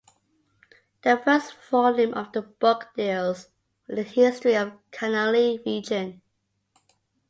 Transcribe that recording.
The first volume of the book deals with the history of Karnali region.